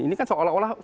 ini kan seolah olah